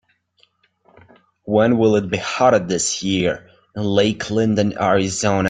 When will it be hotter this year in Lake Linden, Arizona